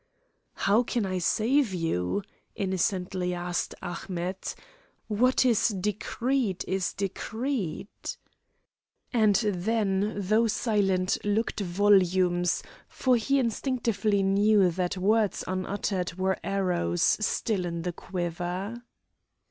"How can I save you?" innocently asked Ahmet. "What is decreed is decreed!" And then, though silent, looked volumes, for he instinctively knew that words unuttered were arrows still in the quiver.